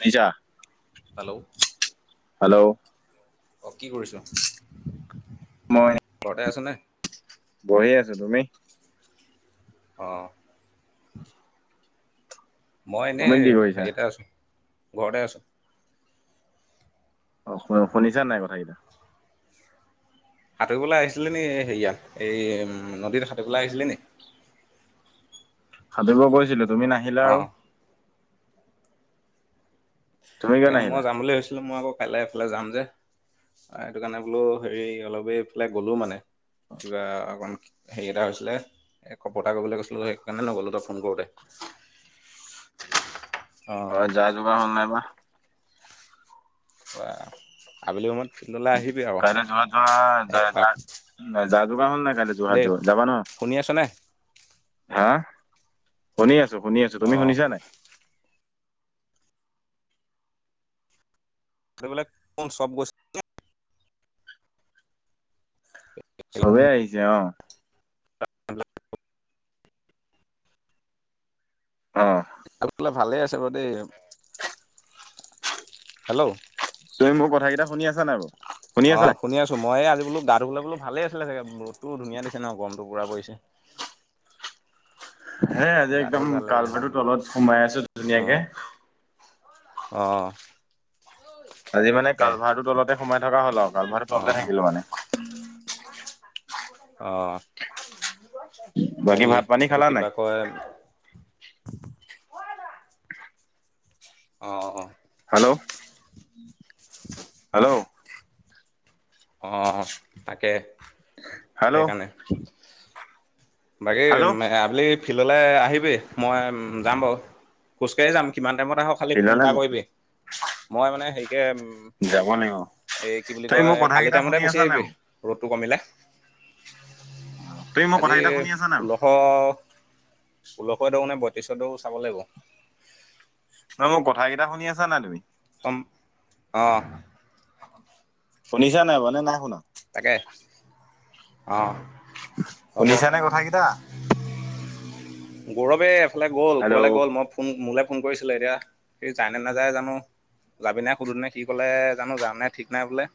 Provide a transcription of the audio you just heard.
ভিজা। Hello. Hello. অঁ কি কৰিছ? মই বহি আছো তুমি? অ। মই তুমি এনেই কি কৰিছা হেৰিতে আছো ঘৰতে আছো। অ শু শুনিছা নাই কথা কিটা? সাঁতুৰিবলৈ আহিছিলি নি হেইয়া এ উম নদীত সাঁতুৰিবলৈ আহিছিলি নি? সাতুইব গৈছিলো তুমি নাহিলা অঁ আৰু। তুমি কিয় তাকে মই নাহিলা যাম বুলি ভাবিছিলো। মই আকৌ কাইলে এইফালে যাম যে, সেইটো কাৰণে বোলো হেৰি অলপ এইফালে গ'লো মানে। কিবা অকণ হেৰি এটা হৈছিলে কপতা কৰিবলৈ গৈছিলোঁ। সেইকাৰণে নগ'লো তই ফোন কৰোঁতে। [inaudible] অ যা যোগাৰ হল নাই বাহ? ৱাহ আবেলি সময়ত। ফিল্ডলৈ আহিবি আৰু কাইলে যোৰহাট যোৱা যাই একপাক যাৰ যা যোগাৰ হ'ল নাই কাইলে যোৰহাট দেই যোৱা? যাবা ন? শুনি [inaudible] হা শুনি আছো শুনি আছো। তুমি অঁ শুনিছা নাই? বোলে চব গৈছে। চবেই আহিছে অ। [unintelligible] অ। খা বলে ভালেই আছে ক দেই। হেল্ল'। তুমি মোৰ কথা কেইটা শুনি আছা নাই বাও? অ শুনি আছো। মইয়ে আজি বোলো গা ধুবলে বোলো ভালেই আছিলে চাগে বোলো। ৰ'তো ধুনীয়া দিছে ন গৰমটো পুৰা কৰিছে। হে আজি একদম কালভটো আজি তলত সোমাই আছো অ ধুনীয়াকে অ আজি মানে তাকে কালভাৰটো তলতে সোমাই থকা হ'ল আও কালভাৰটো অ তলতে থাকিলো মানে। অ বাকী হেৰি ভাত পানী এইটো খালা কি নাই বা [unintelligible] অ অ হেল্ল' হেল্ল' অ তাকে হেল্ল' সেইকাৰণে বাকে হেল্ল' আবেলি ফিল্ডলৈ আহিবি মই যাম বাৰু খোজ কাঢ়ি যাম কিমান টাইমতে আহক খালী ফোন ফিল্ডলৈ এটা কৰিবি মই মানে হেৰি তে উম যাব লাগিব এই কি বুলি তুমি কয় মোৰ কালি কথাকেইটা টাইমতে শুনি গুচি আছা নাই আহিবি বাৰু ৰ'দ টো কমিলে অ তুমি মোৰ আজি কথা এটা শুনি আছা নাই বাৰু ষোল্লশ ষোল্লশ দওঁ নে বয়ত্ৰিছ দ চাব লাগিব। নহয় মোৰ কথাকেইটা শুনি আছা নাই তুমি? কম অ শুনিছা নাই বানে নাই শুনা? তাকে অহ শুনিছানে কথাকেইটা গৌৰৱে এফালে গ'ল ক'বালে হেল্ল' গ'ল মই ফোন মোলে ফোন কৰিছিলো এতিয়া সেই যায় নে নেযায় জানো। যাবি নৈ সুধো নে কি কলে জানো যাম নাই ঠিক নাই বোলে।